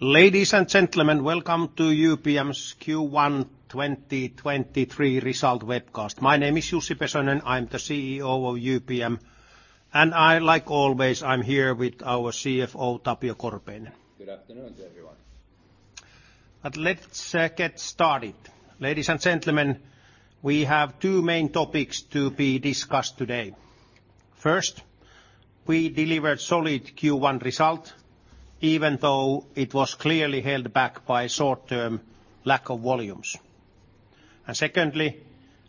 Ladies and gentlemen, welcome to UPM's Q1 2023 result webcast. My name is Jussi Pesonen, I'm the CEO of UPM, and like always, I'm here with our CFO, Tapio Korpeinen. Good afternoon to everyone. Let's get started. Ladies and gentlemen, we have two main topics to be discussed today. First, we delivered solid Q1 result, even though it was clearly held back by short-term lack of volumes. Secondly,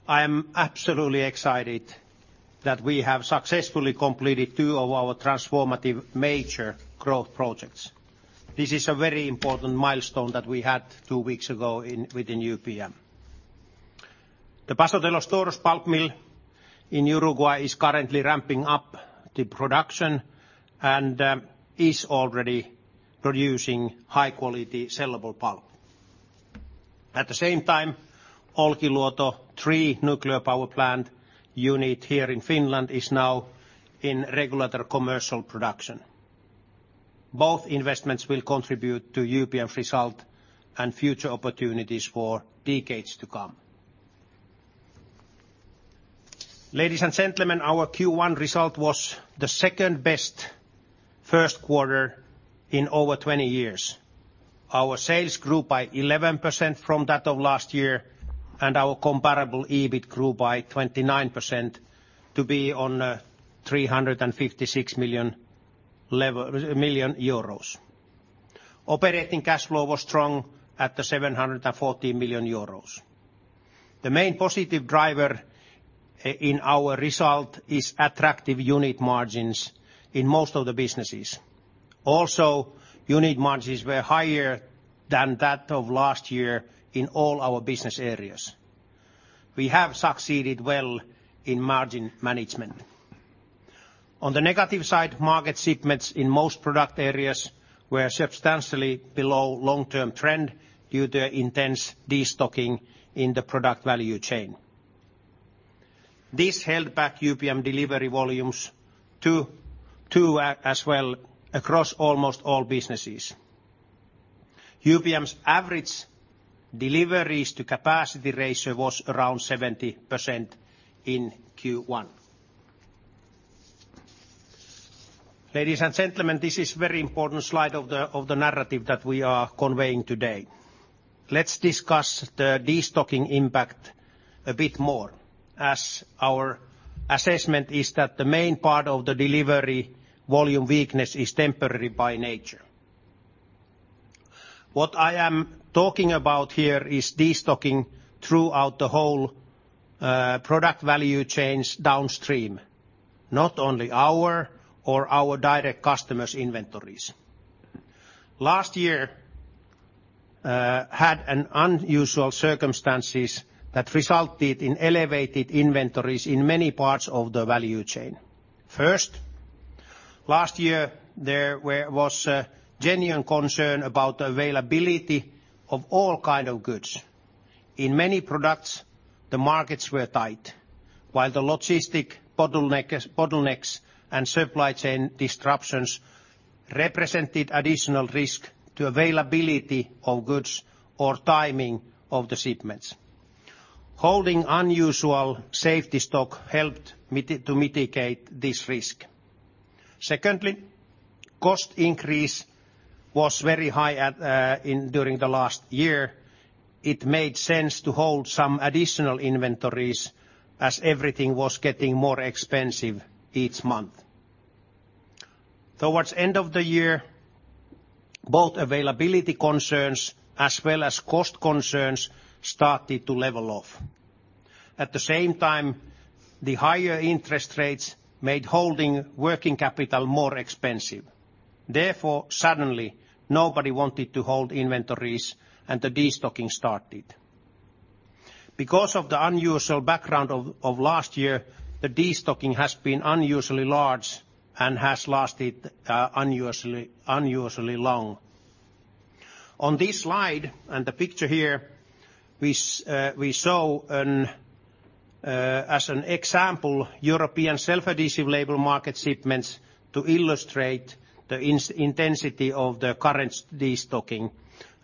I am absolutely excited that we have successfully completed two of our transformative major growth projects. This is a very important milestone that we had two weeks ago within UPM. The Paso de los Toros pulp mill in Uruguay is currently ramping up the production and is already producing high-quality sellable pulp. At the same time, Olkiluoto three nuclear power plant unit here in Finland is now in regulatory commercial production. Both investments will contribute to UPM's result and future opportunities for decades to come. Ladies and gentlemen, our Q1 result was the second best first quarter in over 20 years. Our sales grew by 11% from that of last year, and our comparable EBIT grew by 29% to be on 356 million. Operating cash flow was strong at the 714 million euros. The main positive driver in our result is attractive unit margins in most of the businesses. Also, unit margins were higher than that of last year in all our business areas. We have succeeded well in margin management. On the negative side, market shipments in most product areas were substantially below long-term trend due to intense destocking in the product value chain. This held back UPM delivery volumes as well across almost all businesses. UPM's average deliveries to capacity ratio was around 70% in Q1. Ladies and gentlemen, this is very important slide of the narrative that we are conveying today. Let's discuss the destocking impact a bit more, as our assessment is that the main part of the delivery volume weakness is temporary by nature. What I am talking about here is destocking throughout the whole product value chains downstream, not only our or our direct customers' inventories. Last year had an unusual circumstances that resulted in elevated inventories in many parts of the value chain. First, last year, there was a genuine concern about the availability of all kind of goods. In many products, the markets were tight, while the logistic bottlenecks and supply chain disruptions represented additional risk to availability of goods or timing of the shipments. Holding unusual safety stock helped to mitigate this risk. Secondly, cost increase was very high during the last year. It made sense to hold some additional inventories as everything was getting more expensive each month. Towards end of the year, both availability concerns as well as cost concerns started to level off. At the same time, the higher interest rates made holding working capital more expensive. Suddenly, nobody wanted to hold inventories, and the destocking started. Because of the unusual background of last year, the destocking has been unusually large and has lasted unusually long. On this slide and the picture here, we saw as an example, European self-adhesive label market shipments to illustrate the intensity of the current destocking,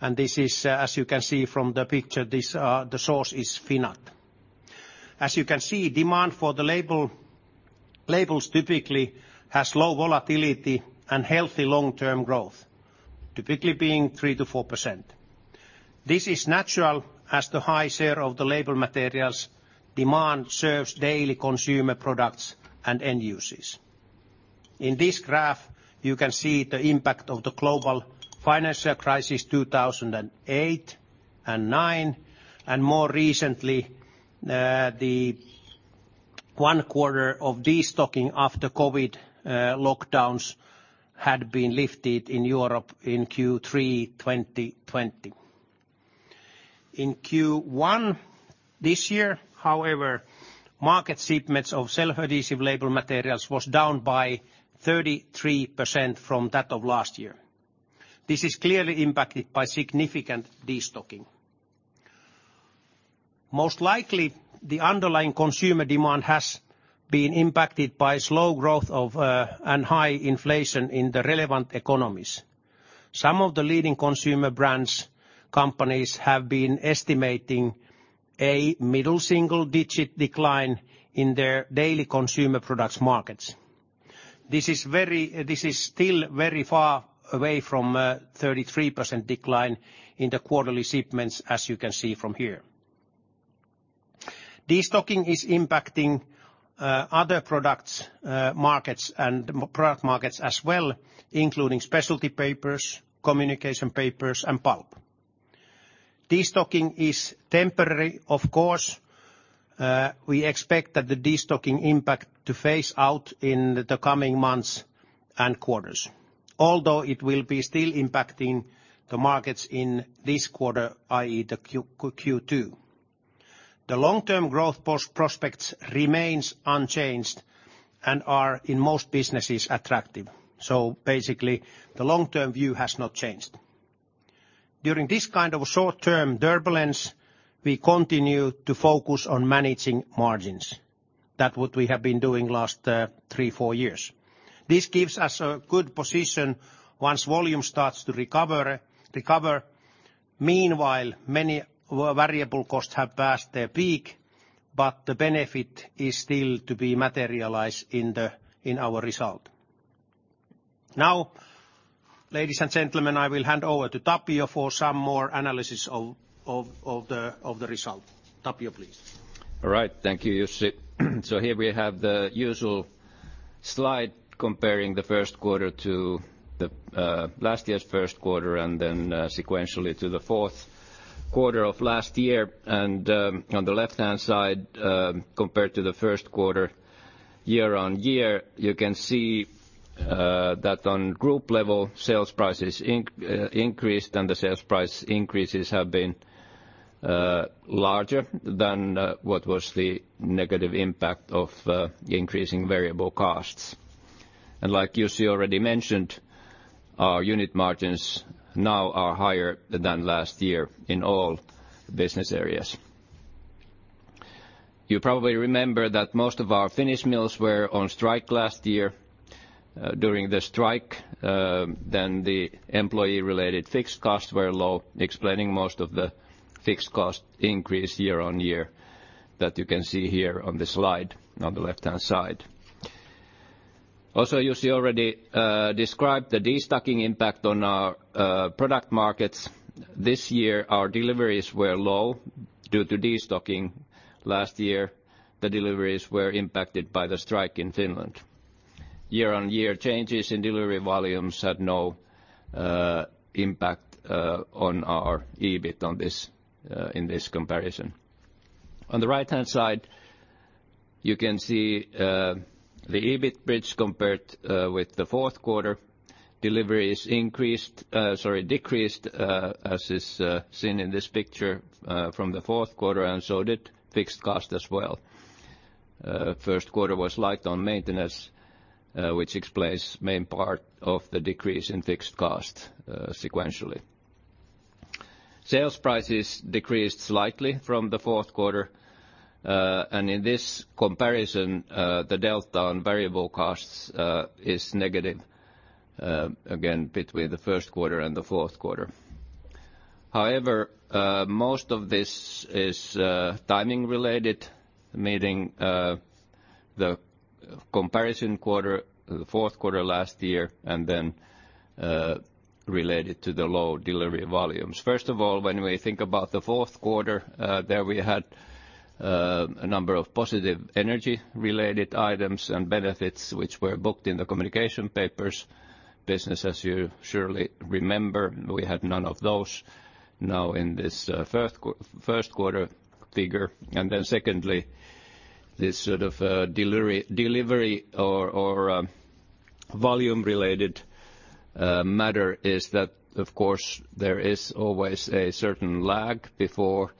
and this is, as you can see from the picture, this, the source is FINAT. As you can see, demand for the label, labels typically has low volatility and healthy long-term growth, typically being 3%-4%. This is natural as the high share of the label materials' demand serves daily consumer products and end uses. In this graph, you can see the impact of the global financial crisis 2008 and 2009, more recently, the one quarter of destocking after COVID lockdowns had been lifted in Europe in Q3 2020. In Q1 this year, however, market shipments of self-adhesive label materials was down by 33% from that of last year. This is clearly impacted by significant destocking. Most likely, the underlying consumer demand has been impacted by slow growth of, and high inflation in the relevant economies. Some of the leading consumer brands, companies have been estimating a middle single-digit decline in their daily consumer products markets. This is still very far away from 33% decline in the quarterly shipments, as you can see from here. Destocking is impacting other products, product markets as well, including Specialty Papers, Communication Papers, and pulp. Destocking is temporary, of course. We expect that the destocking impact to phase out in the coming months and quarters. Although it will be still impacting the markets in this quarter, i.e., the Q2. The long-term growth prospects remains unchanged and are, in most businesses, attractive. Basically, the long-term view has not changed. During this kind of short-term turbulence, we continue to focus on managing margins. That what we have been doing last three, four years. This gives us a good position once volume starts to recover. Meanwhile, many variable costs have passed their peak, but the benefit is still to be materialized in our result. Ladies and gentlemen, I will hand over to Tapio for some more analysis of the result. Tapio, please. All right. Thank you, Jussi. Here we have the usual slide comparing the first quarter to the last year's first quarter and then sequentially to the fourth quarter of last year. On the left-hand side, compared to the first quarter year-on-year, you can see that on group level, sales prices increased, and the sales price increases have been larger than what was the negative impact of increasing variable costs. Like Jussi already mentioned, our unit margins now are higher than last year in all business areas. You probably remember that most of our Finnish mills were on strike last year. During the strike, then the employee-related fixed costs were low, explaining most of the fixed cost increase year-on-year that you can see here on the slide on the left-hand side. Also, Jussi already described the destocking impact on our product markets. This year, our deliveries were low due to destocking. Last year, the deliveries were impacted by the strike in Finland. Year-on-year changes in delivery volumes had no impact on our EBIT in this comparison. On the right-hand side, you can see the EBIT bridge compared with the fourth quarter. Deliveries decreased as is seen in this picture from the fourth quarter. So did fixed cost as well. First quarter was light on maintenance, which explains main part of the decrease in fixed cost sequentially. Sales prices decreased slightly from the fourth quarter. In this comparison, the delta on variable costs is negative again, between the first quarter and the fourth quarter. Most of this is timing related, meaning the comparison quarter, the fourth quarter last year, and then related to the low delivery volumes. First of all, when we think about the fourth quarter, there we had a number of positive energy related items and benefits which were booked in the UPM Communication Papers business. As you surely remember, we had none of those now in this first quarter figure. Secondly, this sort of delivery or volume related matter is that of course there is always a certain lag before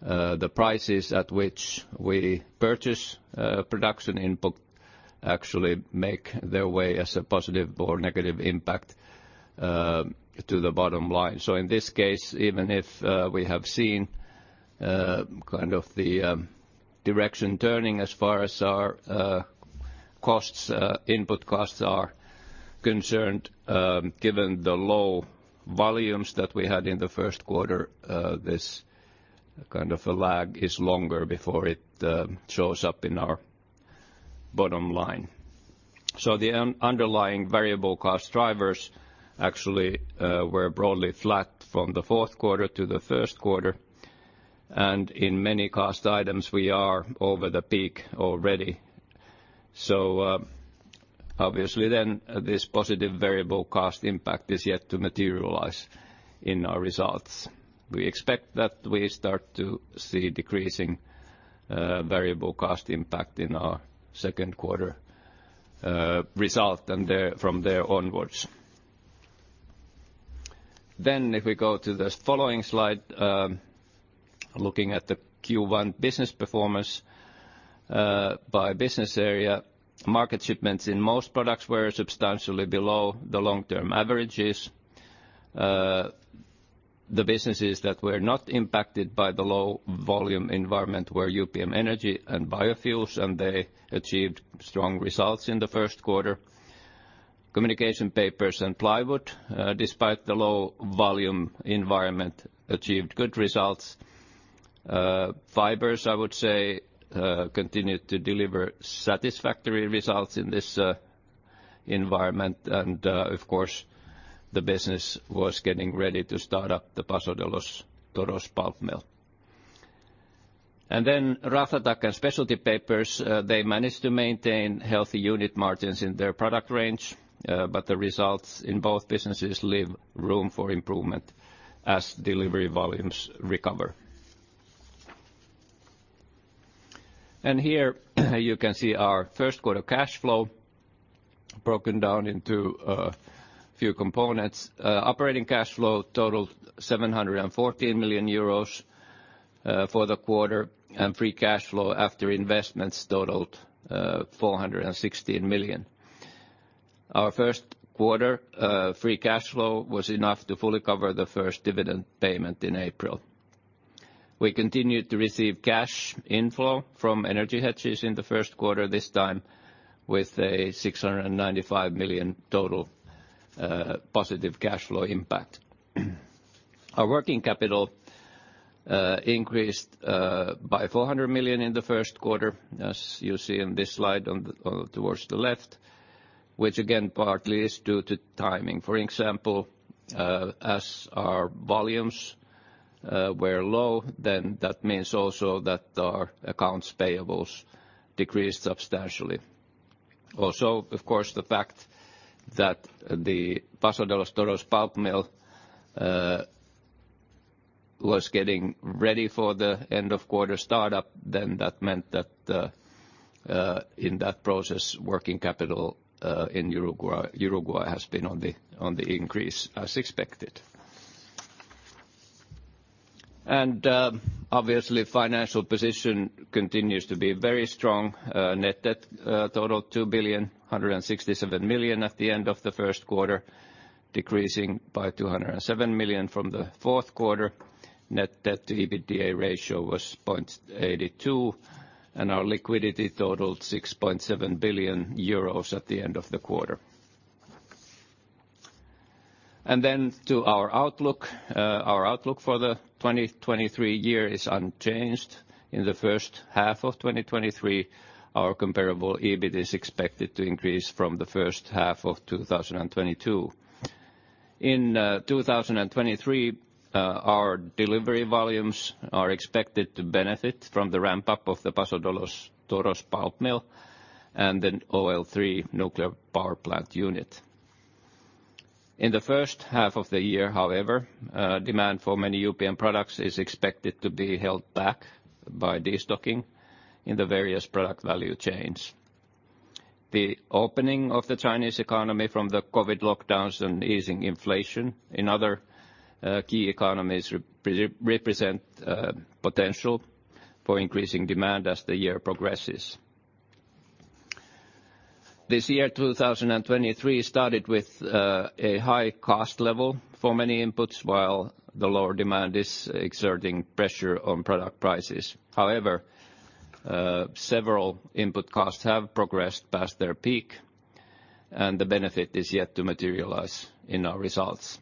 the prices at which we purchase production input actually make their way as a positive or negative impact to the bottom line. In this case, even if we have seen kind of the direction turning as far as our costs, input costs are concerned, given the low volumes that we had in the first quarter, this kind of a lag is longer before it shows up in our bottom line. The underlying variable cost drivers actually were broadly flat from the fourth quarter to the first quarter, and in many cost items, we are over the peak already. Obviously then this positive variable cost impact is yet to materialize in our results. We expect that we start to see decreasing variable cost impact in our second quarter result and from there onwards. If we go to the following slide, looking at the Q1 business performance. By business area, market shipments in most products were substantially below the long-term averages. The businesses that were not impacted by the low volume environment were UPM Energy and Biofuels, and they achieved strong results in the first quarter. Communication Papers and Plywood, despite the low volume environment, achieved good results. Fibres, I would say, continued to deliver satisfactory results in this environment and, of course, the business was getting ready to start up the Paso de los Toros pulp mill. Raflatac and Specialty Papers, they managed to maintain healthy unit margins in their product range, but the results in both businesses leave room for improvement as delivery volumes recover. Here you can see our first quarter cash flow broken down into a few components. Operating cash flow totaled 714 million euros for the quarter, and free cash flow after investments totaled 416 million. Our first quarter free cash flow was enough to fully cover the first dividend payment in April. We continued to receive cash inflow from energy hedges in the first quarter, this time with a 695 million total positive cash flow impact. Our working capital increased by 400 million in the first quarter, as you see in this slide on the towards the left, which again, partly is due to timing. For example, as our volumes were low, then that means also that our accounts payables decreased substantially. Also, of course, the fact that the Paso de los Toros pulp mill was getting ready for the end of quarter start-up, then that meant that, in that process, working capital in Uruguay has been on the increase as expected. Obviously, financial position continues to be very strong. Net debt totaled 2 billion, EUR 167 million at the end of the first quarter, decreasing by 207 million from the fourth quarter. Net debt to EBITDA ratio was 0.82. Our liquidity totaled 6.7 billion euros at the end of the quarter. To our outlook. Our outlook for the 2023 year is unchanged. In the first half of 2023, our comparable EBIT is expected to increase from the first half of 2022. In 2023, our delivery volumes are expected to benefit from the ramp-up of the Paso de los Toros pulp mill and the OL3 nuclear power plant unit. In the first half of the year, however, demand for many UPM products is expected to be held back by destocking in the various product value chains. The opening of the Chinese economy from the COVID lockdowns and easing inflation in other key economies represent potential for increasing demand as the year progresses. This year, 2023, started with a high cost level for many inputs while the lower demand is exerting pressure on product prices. However, several input costs have progressed past their peak, and the benefit is yet to materialize in our results.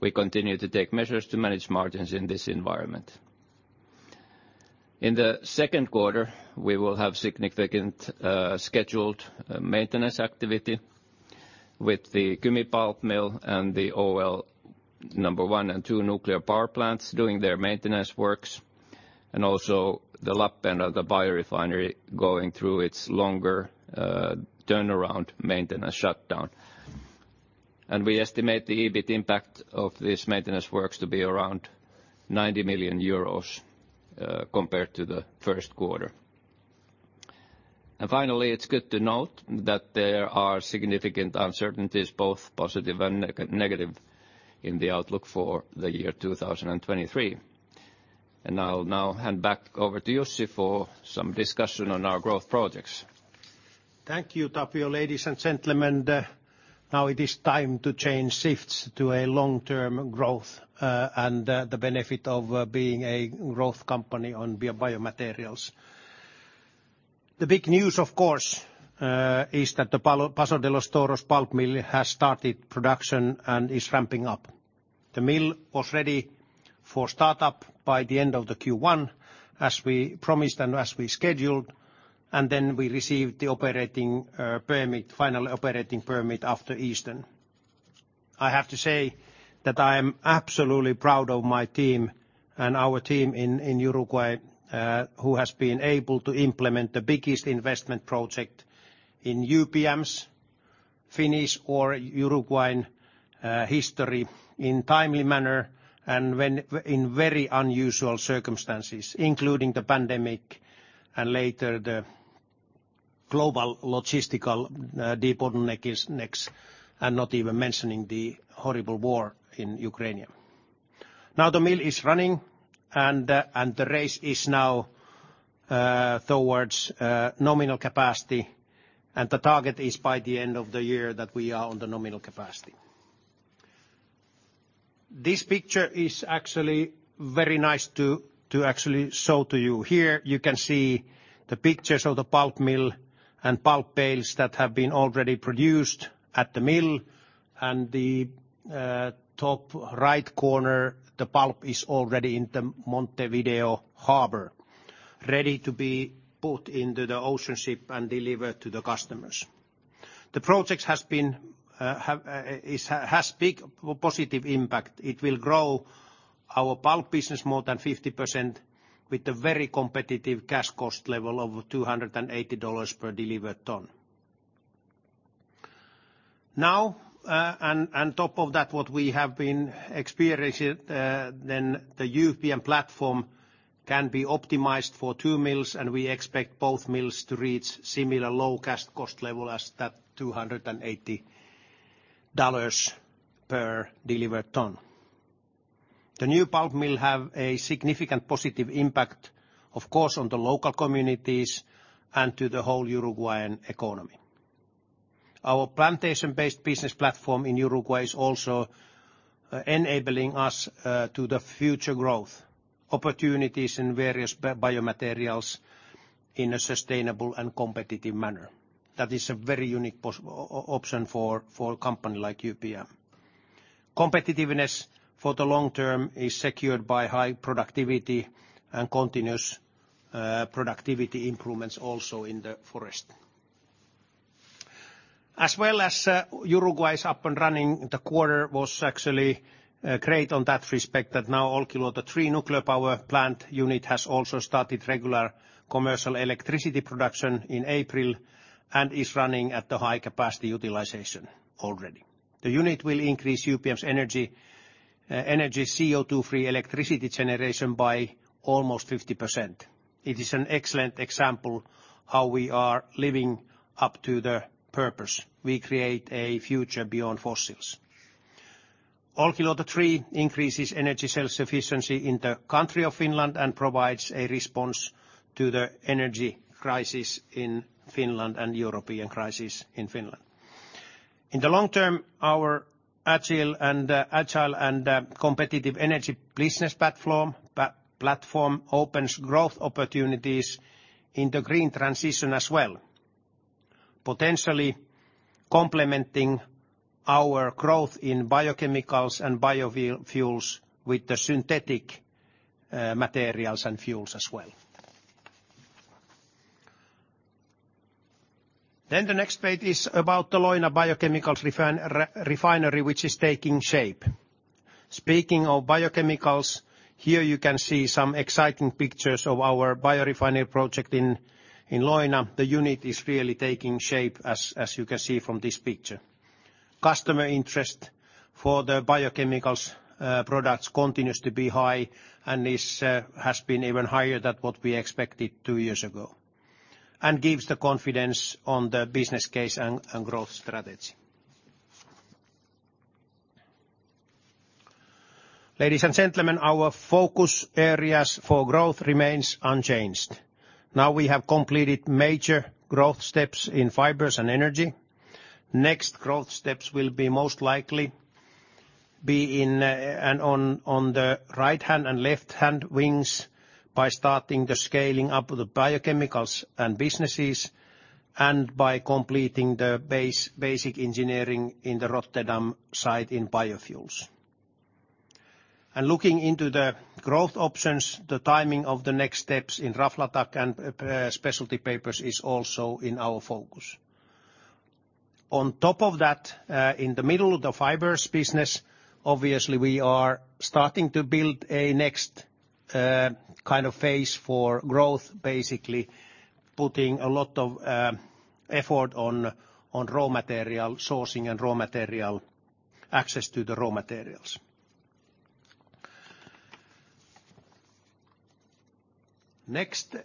We continue to take measures to manage margins in this environment. In the second quarter, we will have significant, scheduled, maintenance activity with the Kymi pulp mill and the OL Number 1 and 2 nuclear power plants doing their maintenance works, also the Lappeenranta biorefinery going through its longer, turnaround maintenance shutdown. We estimate the EBIT impact of this maintenance works to be around 90 million euros compared to the first quarter. Finally, it's good to note that there are significant uncertainties, both positive and negative, in the outlook for the year 2023. I'll now hand back over to Jussi for some discussion on our growth projects. Thank you, Tapio. Ladies and gentlemen, it is time to change shifts to a long-term growth and the benefit of being a growth company on biomaterials. The big news, of course, is that the Paso de los Toros pulp mill has started production and is ramping up. The mill was ready for start-up by the end of the Q1, as we promised and as we scheduled, we received the final operating permit after Easter. I have to say that I am absolutely proud of my team and our team in Uruguay who has been able to implement the biggest investment project in UPM's Finnish or Uruguayan history in timely manner in very unusual circumstances, including the pandemic and later the global logistical deep bottleneck is next, not even mentioning the horrible war in Ukraine. Now the mill is running and the race is now towards nominal capacity, and the target is by the end of the year that we are on the nominal capacity. This picture is actually very nice to actually show to you. Here you can see the pictures of the pulp mill and pulp bales that have been already produced at the mill, and the top right corner, the pulp is already in the Montevideo harbor, ready to be put into the ocean ship and delivered to the customers. The project has been has big positive impact. It will grow our pulp business more than 50% with a very competitive cash cost level of $280 per delivered ton. Now, and top of that, what we have been experiencing, then the UPM platform can be optimized for two mills, and we expect both mills to reach similar low cash cost level as that $280 per delivered ton. The new pulp mill have a significant positive impact, of course, on the local communities and to the whole Uruguayan economy. Our plantation-based business platform in Uruguay is also enabling us to the future growth opportunities in various biomaterials in a sustainable and competitive manner. That is a very unique option for a company like UPM. Competitiveness for the long term is secured by high productivity and continuous productivity improvements also in the forest. As well as Uruguay's up and running, the quarter was actually great on that respect that now Olkiluoto three nuclear power plant unit has also started regular commercial electricity production in April and is running at the high capacity utilization already. The unit will increase UPM's energy CO2-free electricity generation by almost 50%. It is an excellent example how we are living up to the purpose. We create a future beyond fossils. Olkiluoto three increases energy self-sufficiency in the country of Finland and provides a response to the energy crisis in Finland and European crisis in Finland. In the long term, our agile and competitive energy business platform opens growth opportunities in the green transition as well, potentially complementing our growth in biochemicals and biofuels with the synthetic materials and fuels as well. The next page is about the Leuna biochemicals biorefinery, which is taking shape. Speaking of biochemicals, here you can see some exciting pictures of our biorefinery project in Leuna. The unit is really taking shape as you can see from this picture. Customer interest for the biochemicals products continues to be high and is has been even higher than what we expected two years ago, and gives the confidence on the business case and growth strategy. Ladies and gentlemen, our focus areas for growth remains unchanged. Now we have completed major growth steps in Fibres and Energy. Next growth steps will be most likely be in and on the right-hand and left-hand wings by starting the scaling up of the biochemicals and businesses, and by completing the basic engineering in the Rotterdam site in Biofuels. Looking into the growth options, the timing of the next steps in Raflatac and Specialty Papers is also in our focus. On top of that, in the middle of the Fibres business, obviously we are starting to build a next kind of phase for growth, basically putting a lot of effort on raw material sourcing and raw material access to the raw materials. Next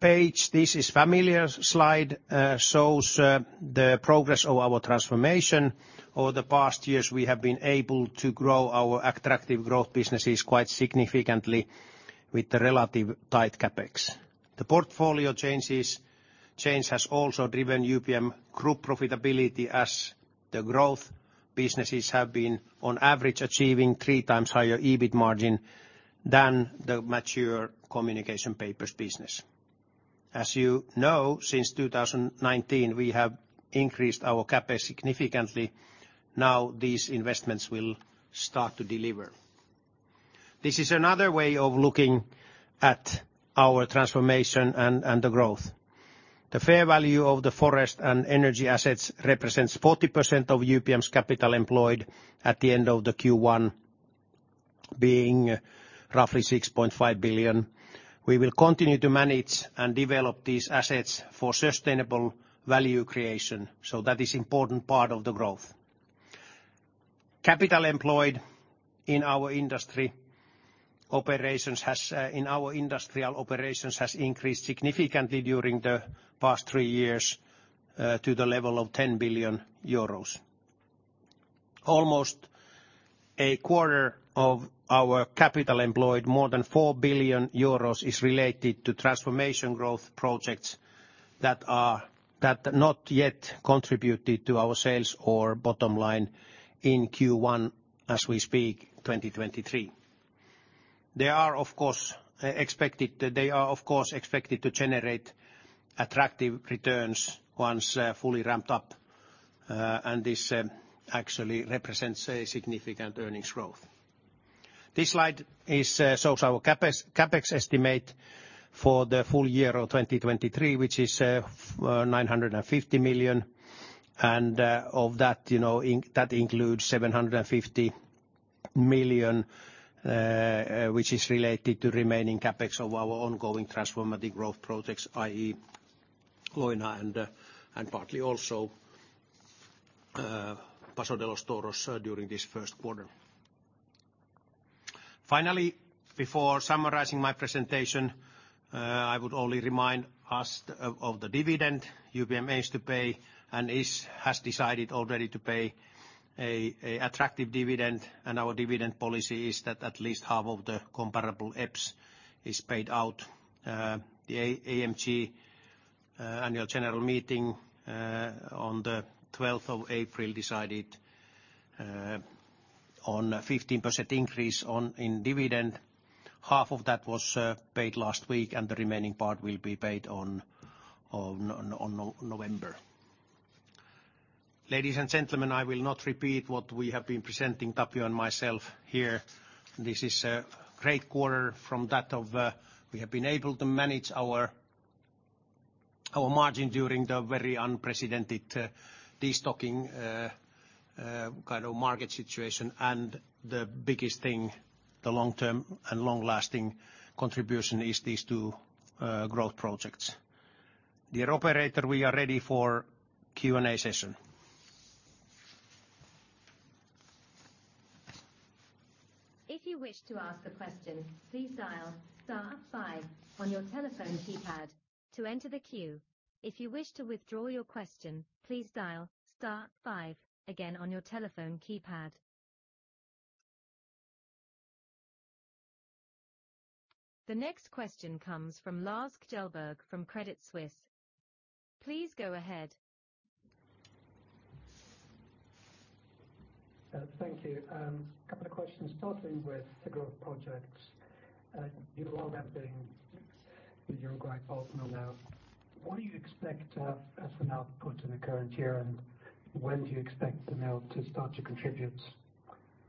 page. This is familiar slide, shows the progress of our transformation. Over the past years, we have been able to grow our attractive growth businesses quite significantly with the relative tight CapEx. The portfolio change has also driven UPM group profitability as the growth businesses have been on average achieving 3x higher EBIT margin than the mature Communication Papers business. As you know, since 2019, we have increased our CapEx significantly. Now these investments will start to deliver. This is another way of looking at our transformation and the growth. The fair value of the forest and energy assets represents 40% of UPM's capital employed at the end of the Q1, being roughly 6.5 billion. We will continue to manage and develop these assets for sustainable value creation. That is important part of the growth. Capital employed in our industrial operations has increased significantly during the past three years to the level of 10 billion euros. Almost a quarter of our capital employed, more than 4 billion euros, is related to transformation growth projects that not yet contributed to our sales or bottom line in Q1 as we speak, 2023. They are, of course, expected to generate attractive returns once fully ramped up. This actually represents a significant earnings growth. This slide shows our CapEx estimate for the full year of 2023, which is 950 million. Of that, you know, that includes 750 million, which is related to remaining CapEx of our ongoing transformative growth projects, i.e., Leuna and partly also Paso de los Toros during this first quarter. Finally, before summarizing my presentation, I would only remind us of the dividend UPM aims to pay and has decided already to pay a attractive dividend. Our dividend policy is that at least half of the comparable EPS is paid out. The annual general meeting on April 12 decided on a 15% increase in dividend. Half of that was paid last week, and the remaining part will be paid on November. Ladies and gentlemen, I will not repeat what we have been presenting, Tapio and myself here. This is a great quarter from that of. We have been able to manage our margin during the very unprecedented de-stocking kind of market situation. The biggest thing, the long-term and long-lasting contribution is these two growth projects. Dear operator, we are ready for Q&A session. If you wish to ask a question, please dial star five on your telephone keypad to enter the queue. If you wish to withdraw your question, please dial star five again on your telephone keypad. The next question comes from Lars Kjellberg from Credit Suisse. Please go ahead. Thank you. Couple of questions, starting with the growth projects. You're well up and running with your grind pulp mill now. What do you expect as an output in the current year, and when do you expect the mill to start to contribute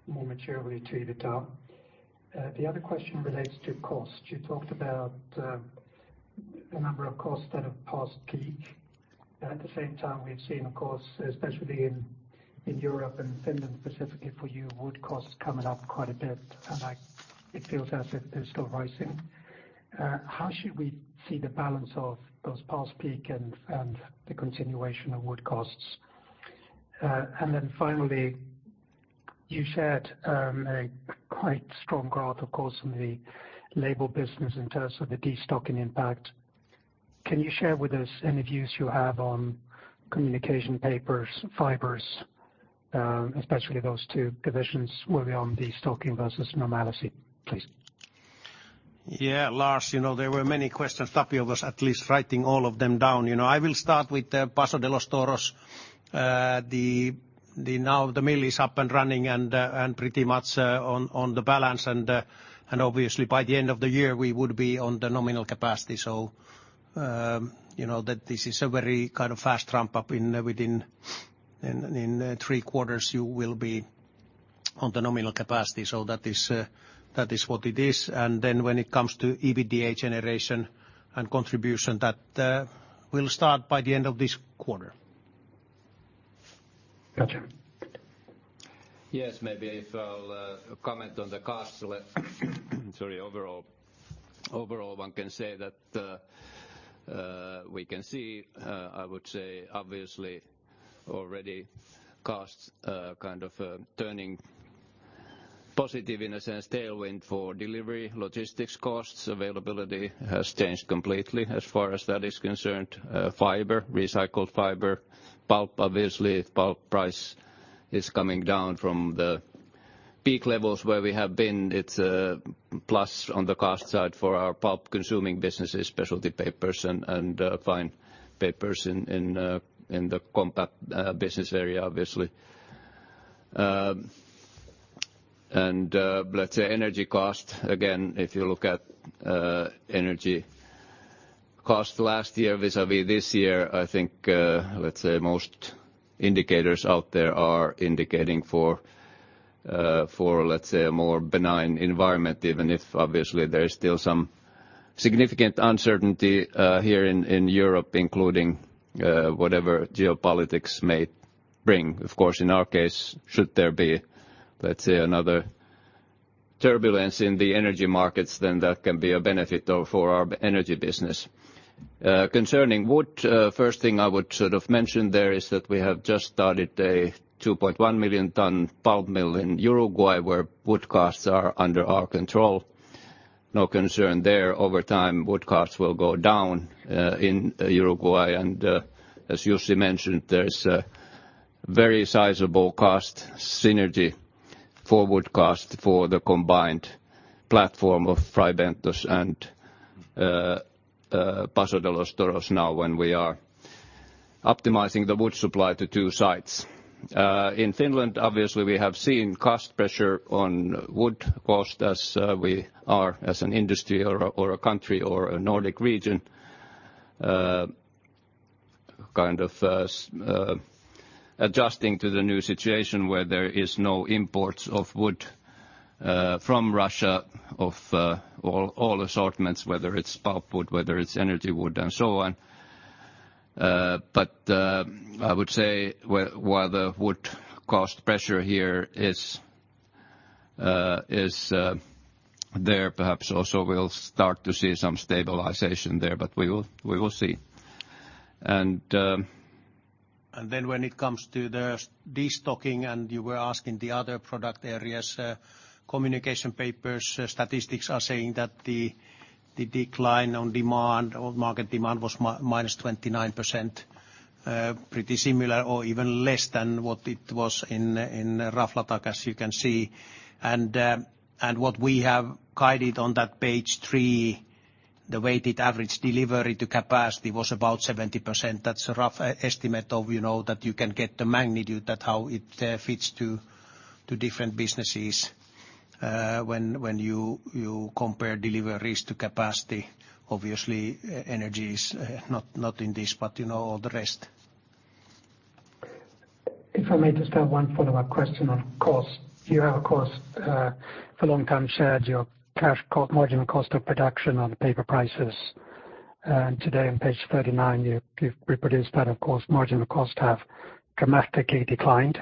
more materially to EBITDA? The other question relates to cost. You talked about a number of costs that have passed peak. At the same time, we've seen costs, especially in Europe and Finland, specifically for you, wood costs coming up quite a bit. Like, it feels as if they're still rising. How should we see the balance of those past peak and the continuation of wood costs? Finally, you shared a quite strong growth, of course, in the label business in terms of the de-stocking impact. Can you share with us any views you have on Communication Papers, Fibres, especially those two divisions, where we are on de-stocking versus normalcy, please? Yeah, Lars, you know, there were many questions. Tapio was at least writing all of them down. You know, I will start with the Paso de los Toros. The now the mill is up and running and pretty much on the balance. Obviously by the end of the year we would be on the nominal capacity. You know, that this is a very kind of fast ramp-up in three quarters, you will be on the nominal capacity. That is what it is. Then when it comes to EBITDA generation and contribution, that will start by the end of this quarter. Gotcha. Yes. Maybe if I'll comment on the cost, sorry, overall. One can say that we can see I would say obviously already costs kind of turning positive in a sense, tailwind for delivery, logistics costs, availability has changed completely as far as that is concerned. Fiber, recycled fiber, pulp, obviously pulp price is coming down from the peak levels where we have been. It's a plus on the cost side for our pulp-consuming businesses, UPM Specialty Papers and fine papers in the compact business area, obviously. Let's say energy cost. Again, if you look at energy cost last year vis-à-vis this year, I think, let's say most indicators out there are indicating for, let's say, a more benign environment, even if obviously there is still some significant uncertainty here in Europe, including whatever geopolitics may bring. Of course, in our case, should there be, let's say. Turbulence in the energy markets, that can be a benefit, though, for our energy business. Concerning wood, first thing I would sort of mention there is that we have just started a 2.1 million ton pulp mill in Uruguay, where wood costs are under our control. No concern there. Over time, wood costs will go down in Uruguay, and as Jussi mentioned, there is a very sizable cost synergy for wood cost for the combined platform of Fray Bentos and Paso de los Toros now when we are optimizing the wood supply to two sites. In Finland, obviously we have seen cost pressure on wood cost as we are as an industry or a country or a Nordic region, kind of adjusting to the new situation where there is no imports of wood from Russia of all assortments, whether it's pulpwood, whether it's energy wood, and so on. I would say while the wood cost pressure here is there perhaps also we'll start to see some stabilization there, but we will see. When it comes to the destocking, and you were asking the other product areas, Communication Papers, statistics are saying that the decline on demand or market demand was -29%. Pretty similar or even less than what it was in Raflatac, as you can see. What we have guided on that page 3, the weighted average delivery to capacity was about 70%. That's a rough estimate of, you know, that you can get the magnitude at how it fits to different businesses when you compare deliveries to capacity. Obviously Energy is not in this, but, you know, all the rest. If I may just have one follow-up question on cost. You have a cost for long time shared your cash marginal cost of production on the paper prices. Today on page 39, you've reproduced that. Of course, marginal costs have dramatically declined.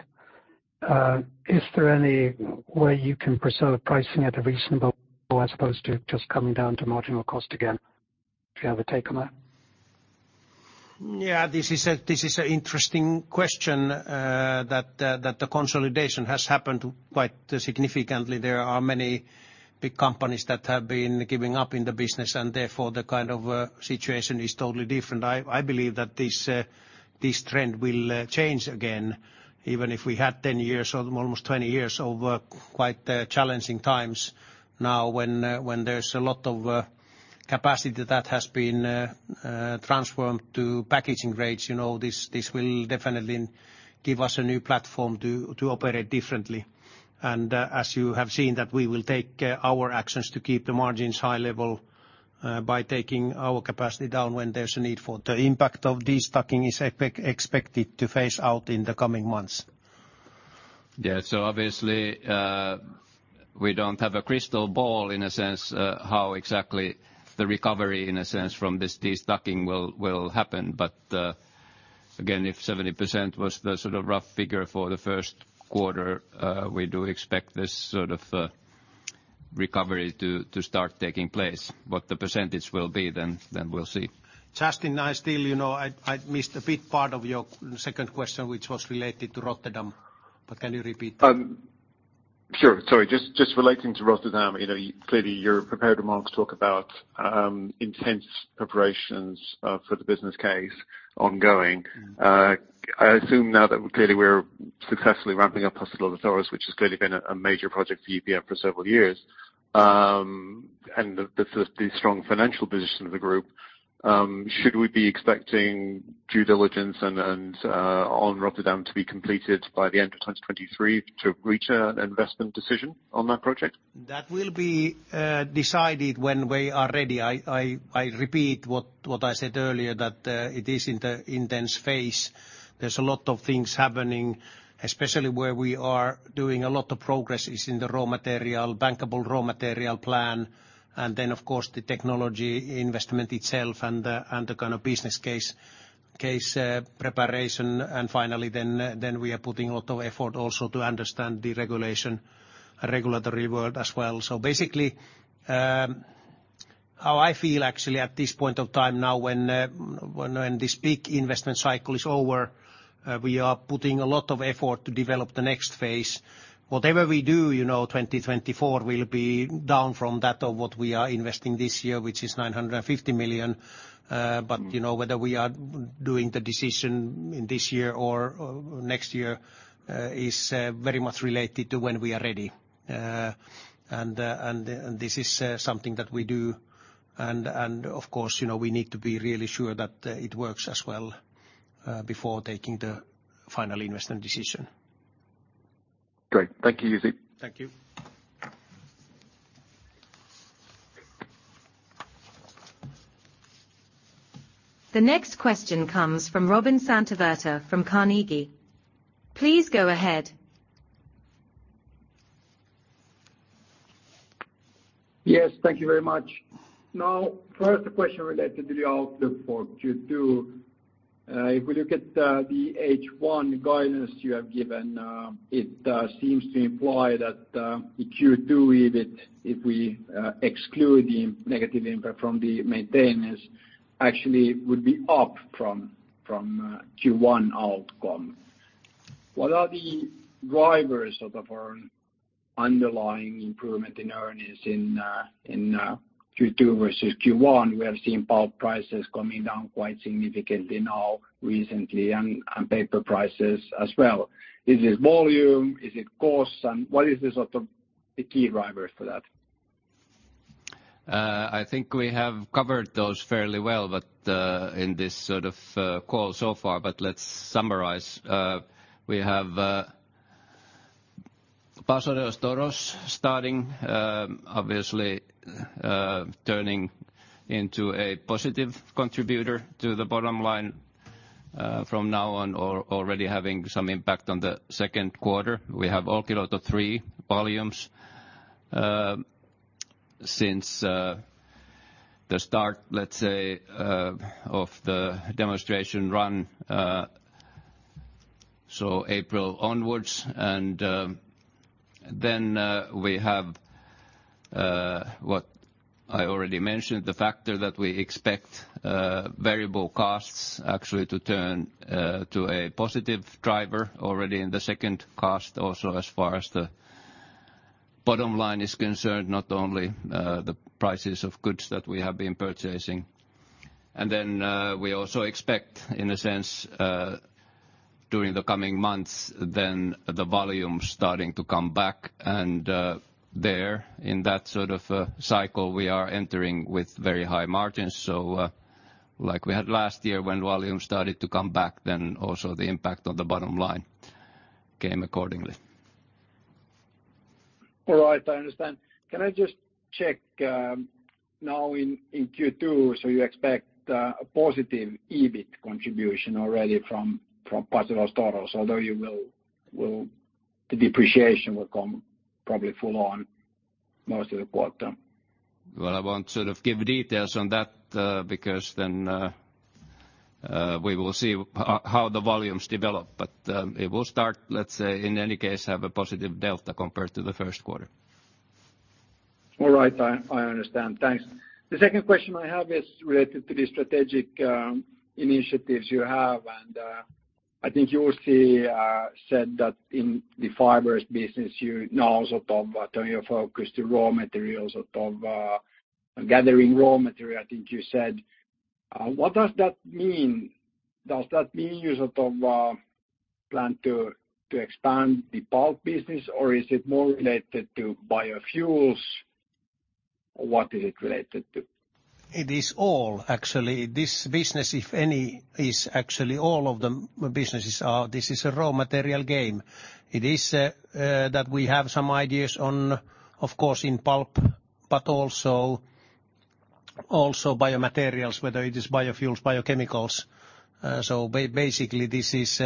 Is there any way you can preserve pricing at a reasonable as opposed to just coming down to marginal cost again? Do you have a take on that? Yeah. This is a interesting question that the consolidation has happened quite significantly. There are many big companies that have been giving up in the business. Therefore the kind of situation is totally different. I believe that this trend will change again, even if we had 10 years or almost 20 years of quite challenging times. Now, when there's a lot of capacity that has been transformed to packaging grades, you know, this will definitely give us a new platform to operate differently. As you have seen that we will take our actions to keep the margins high level by taking our capacity down when there's a need for it. The impact of destocking is expected to phase out in the coming months. Obviously, we don't have a crystal ball in a sense, how exactly the recovery, in a sense, from this destocking will happen. Again, if 70% was the sort of rough figure for the first quarter, we do expect this sort of recovery to start taking place. What the percentage will be then we'll see. Jussi, I still, you know, I missed a bit part of your second question, which was related to Rotterdam, but can you repeat that? Sure. Sorry. Just relating to Rotterdam, you know, clearly your prepared remarks talk about, intense preparations, for the business case ongoing. Mm-hmm. I assume now that clearly we're successfully ramping up Paso de los Toros, which has clearly been a major project for UPM for several years, and the strong financial position of the group, should we be expecting due diligence and on Rotterdam to be completed by the end of 2023 to reach an investment decision on that project? That will be decided when we are ready. I repeat what I said earlier, it is in the intense phase. There's a lot of things happening, especially where we are doing a lot of progress is in the raw material, bankable raw material plan, of course the technology investment itself and the kind of business case preparation. Finally, then we are putting a lot of effort also to understand the regulatory world as well. Basically, how I feel actually at this point of time now when this big investment cycle is over, we are putting a lot of effort to develop the next phase. Whatever we do, you know, 2024 will be down from that of what we are investing this year, which is 950 million. Mm-hmm. You know, whether we are doing the decision in this year or next year, is very much related to when we are ready. This is something that we do. Of course, you know, we need to be really sure that it works as well before taking the final investment decision. Great. Thank you, Jussi. Thank you. The next question comes from Robin Santavirta from Carnegie. Please go ahead. Yes, thank you very much. First question related to the outlook for Q2. If we look at the H1 guidance you have given, it seems to imply that the Q2 EBIT, if we exclude the negative impact from the maintainers, actually would be up from Q1 outcome. What are the drivers of our underlying improvement in earnings in Q2 versus Q1? We have seen pulp prices coming down quite significantly now recently and paper prices as well. Is it volume? Is it costs? What is the sort of the key drivers for that? I think we have covered those fairly well, in this sort of call so far. Let's summarize. We have Paso de los Toros starting, obviously turning into a positive contributor to the bottom line from now on or already having some impact on the second quarter. We have OL3 volumes since the start, let's say, of the demonstration run, so April onwards. We have what I already mentioned, the factor that we expect variable costs actually to turn to a positive driver already in the second quarter also as far as the bottom line is concerned, not only the prices of goods that we have been purchasing. We also expect, in a sense, during the coming months, then the volume starting to come back and, there in that sort of, cycle we are entering with very high margins. Like we had last year when volume started to come back, then also the impact on the bottom line came accordingly. All right, I understand. Can I just check, now in Q2, you expect a positive EBIT contribution already from Paso de los Toros, although The depreciation will come probably full on most of the quarter. Well, I won't sort of give details on that, because we will see how the volumes develop. It will start, let's say, in any case, have a positive delta compared to the first quarter. All right. I understand. Thanks. The second question I have is related to the strategic initiatives you have. I think you already said that in the Fibres business, you now sort of turning your focus to raw materials, sort of gathering raw material, I think you said. What does that mean? Does that mean you sort of plan to expand the pulp business, or is it more related to Biofuels? What is it related to? It is all actually. This business, if any, is actually all of the businesses are. This is a raw material game. It is that we have some ideas on, of course, in pulp, but also biomaterials, whether it is biofuels, biochemicals. Basically, this is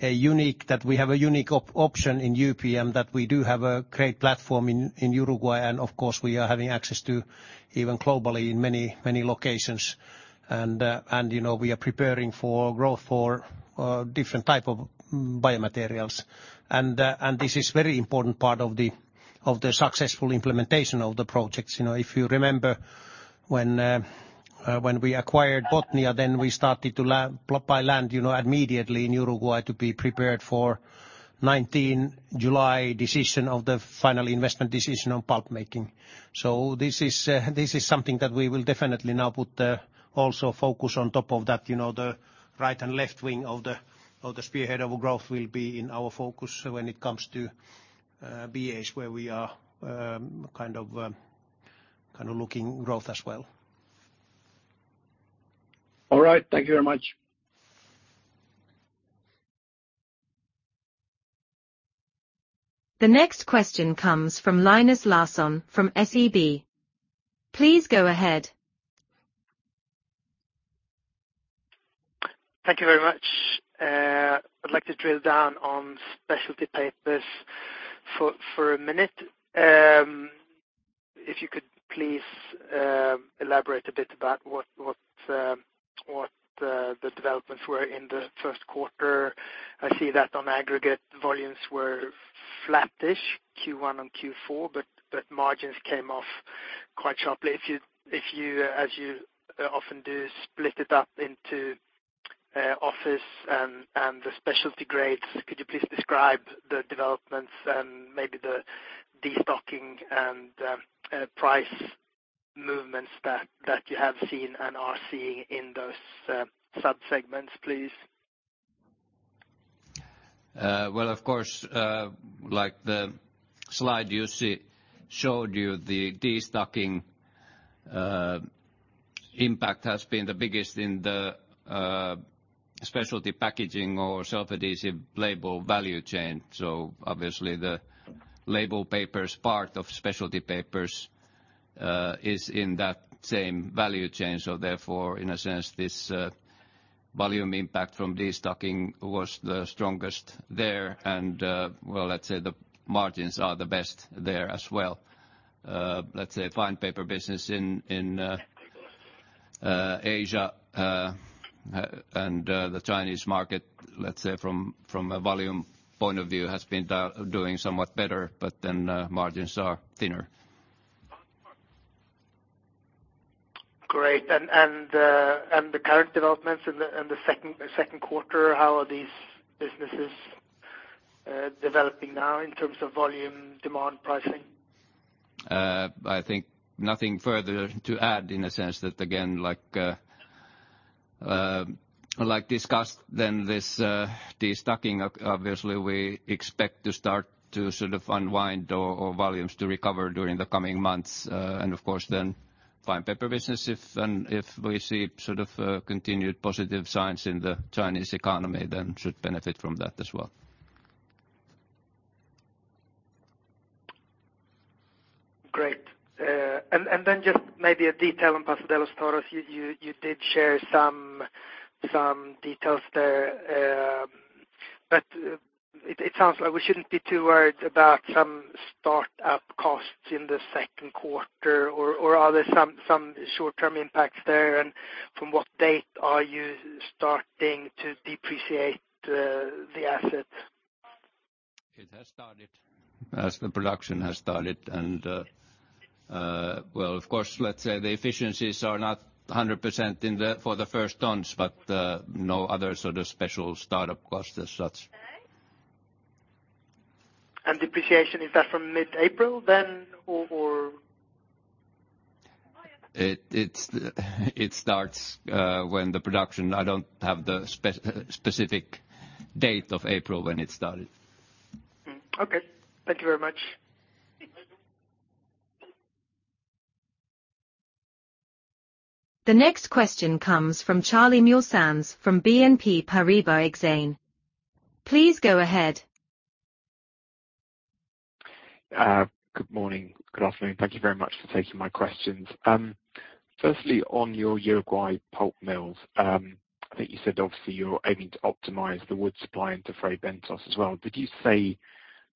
a unique, that we have a unique option in UPM, that we do have a great platform in Uruguay. Of course, we are having access to even globally in many locations. You know, we are preparing for growth for different type of biomaterials. This is very important part of the successful implementation of the projects. You know, if you remember when we acquired Botnia, then we started to buy land, you know, immediately in Uruguay to be prepared for 19 July decision of the final investment decision on pulp making. This is, this is something that we will definitely now put, also focus on top of that, you know, the right and left wing of the, of the spearhead of growth will be in our focus when it comes to, BH, where we are, kind of looking growth as well. All right. Thank you very much. The next question comes from Linus Larsson from SEB. Please go ahead. Thank you very much. I'd like to drill down on specialty papers for a minute. If you could please elaborate a bit about what the developments were in the first quarter. I see that on aggregate volumes were flattish Q1 and Q4, but margins came off quite sharply. If you, as you often do, split it up into office and the specialty grades, could you please describe the developments and maybe the destocking and price movements that you have seen and are seeing in those sub-segments, please? Well, of course, like the slide Jussi showed you, the destocking impact has been the biggest in the specialty packaging or self-adhesive label value chain. Obviously the label papers part of specialty papers is in that same value chain. Therefore, in a sense, this volume impact from destocking was the strongest there and, well, let's say the margins are the best there as well. Let's say fine paper business in Asia and the Chinese market, let's say from a volume point of view, has been doing somewhat better, but then margins are thinner. Great. The current developments in the second quarter, how are these businesses developing now in terms of volume, demand pricing? I think nothing further to add in a sense that again, like discussed then this destocking obviously we expect to start to sort of unwind or volumes to recover during the coming months. Of course then fine paper business if we see sort of continued positive signs in the Chinese economy, then should benefit from that as well. Great. Then just maybe a detail on Paso de los Toros. You did share some details there. It sounds like we shouldn't be too worried about some start-up costs in the second quarter or are there some short-term impacts there? From what date are you starting to depreciate the assets? It has started. As the production has started and, well, of course, let's say the efficiencies are not 100% for the first tons. No other sort of special start-up costs as such. Depreciation, is that from mid-April then, or? It starts, when the production. I don't have the specific date of April when it started. Okay. Thank you very much. The next question comes from Charlie Muir-Sands from BNP Paribas Exane. Please go ahead. Good morning. Good afternoon. Thank you very much for taking my questions. Firstly, on your Uruguay pulp mills, I think you said obviously you're aiming to optimize the wood supply into Fray Bentos as well. Did you say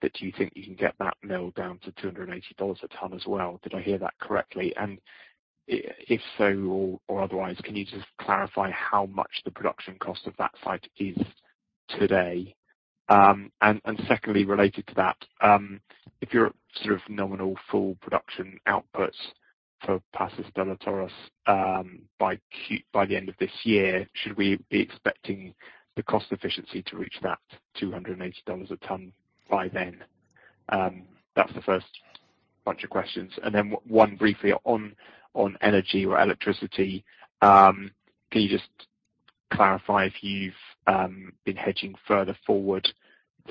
that you think you can get that mill down to $280 a ton as well? Did I hear that correctly? If so or otherwise, can you just clarify how much the production cost of that site is today? Secondly, related to that, if you're sort of nominal full production outputs for Paso de los Toros, by the end of this year, should we be expecting the cost efficiency to reach that $280 a ton by then? That's the first bunch of questions. Then one briefly on energy or electricity,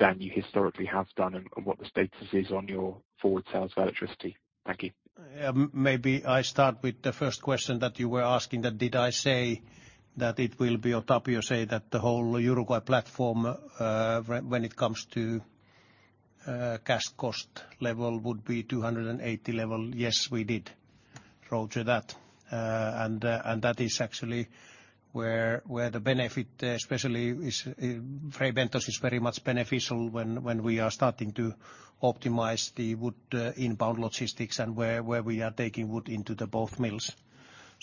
can you just clarify if you've been hedging further forward than you historically have done and what the status is on your forward sales of electricity? Thank you. Maybe I start with the first question that you were asking, that did I say that it will be, or Tapio say that the whole Uruguay platform, when it comes to cash cost level would be $280 level? Yes, we did. Roger that. And that is actually where the benefit especially is, Fray Bentos is very much beneficial when we are starting to optimize the wood inbound logistics and where we are taking wood into the both mills.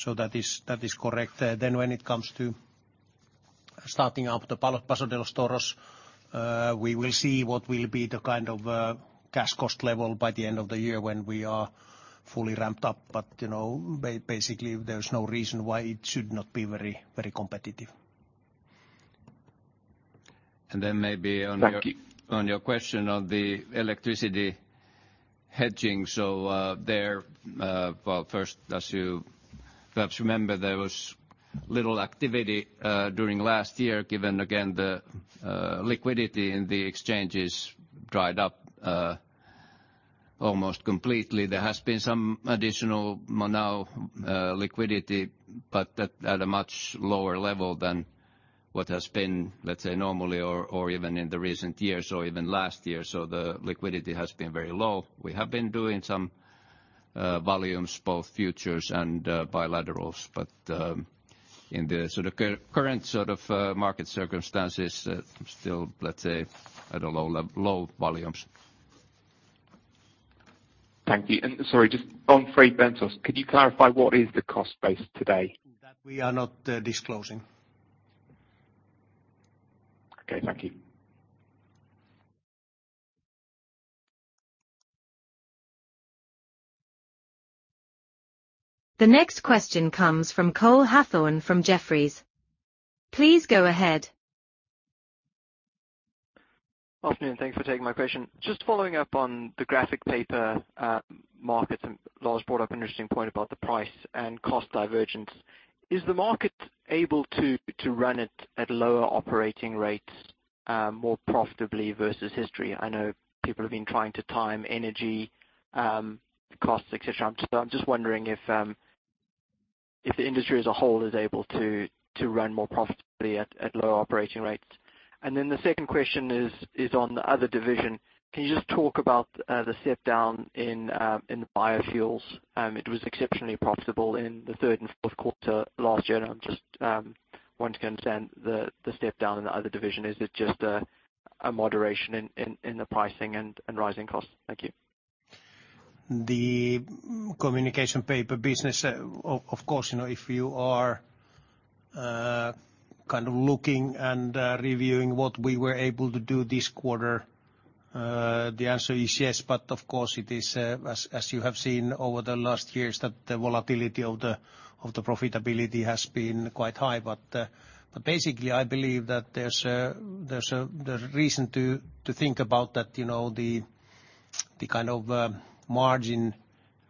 That is, that is correct. When it comes to starting up the Paso de los Toros, we will see what will be the kind of cash cost level by the end of the year when we are fully ramped up. You know, basically, there's no reason why it should not be very competitive. Thank you. On your question on the electricity hedging. Well, first, as you perhaps remember, there was little activity during last year, given again the liquidity in the exchanges dried up almost completely. There has been some additional now liquidity, but at a much lower level than what has been, let's say, normally or even in the recent years or even last year. The liquidity has been very low. We have been doing some volumes, both futures and bilaterals, but in the sort of current sort of market circumstances, still, let's say, at low volumes. Thank you. Sorry, just on Fray Bentos, could you clarify what is the cost base today? That we are not disclosing. Okay, thank you. The next question comes from Cole Hathorn from Jefferies. Please go ahead. Afternoon, thanks for taking my question. Just following up on the graphic paper markets, Lars brought up an interesting point about the price and cost divergence. Is the market able to run it at lower operating rates more profitably versus history? I know people have been trying to time energy costs, et cetera. I'm just wondering if the industry as a whole is able to run more profitably at lower operating rates. The second question is on the other division. Can you just talk about the step-down in biofuels? It was exceptionally profitable in the third and fourth quarter last year. I'm just want to understand the step-down in the other division. Is it just a moderation in the pricing and rising costs? Thank you. The communication paper business, of course, you know, if you are kind of looking and reviewing what we were able to do this quarter, the answer is yes. Of course, it is as you have seen over the last years that the volatility of the profitability has been quite high. Basically, I believe that there's a reason to think about that, you know, the kind of margin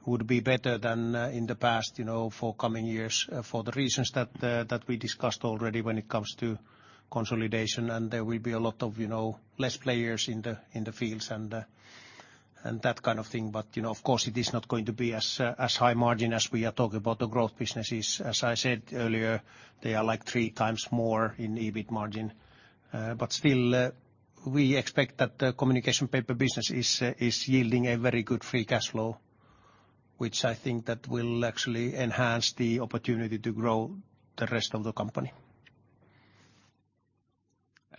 would be better than in the past, you know, for coming years, for the reasons that we discussed already when it comes to consolidation. There will be a lot of, you know, less players in the fields and that kind of thing. You know, of course, it is not going to be as high margin as we are talking about the growth businesses. As I said earlier, they are like 3x more in EBIT margin. But still, we expect that the Communication Papers business is yielding a very good free cash flow, which I think that will actually enhance the opportunity to grow the rest of the company.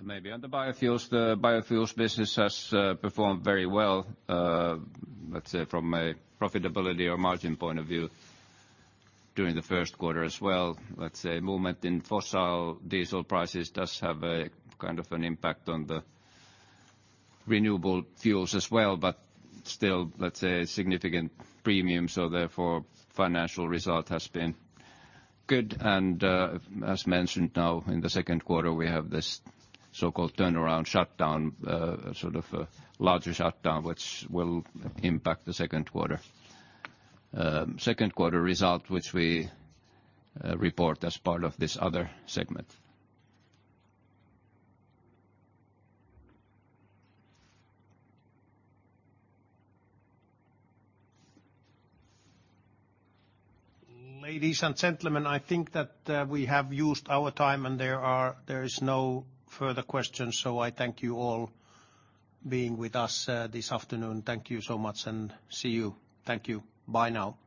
Maybe on the biofuels, the biofuels business has performed very well, let's say from a profitability or margin point of view during the first quarter as well. Let's say movement in fossil diesel prices does have a kind of an impact on the renewable fuels as well. Still, let's say significant premium, so therefore financial result has been good. As mentioned now in the second quarter, we have this so-called turnaround shutdown, a sort of a larger shutdown, which will impact the second quarter. Second quarter result, which we report as part of this other segment. Ladies and gentlemen, I think that we have used our time and there is no further questions. I thank you all being with us this afternoon. Thank you so much and see you. Thank you. Bye now.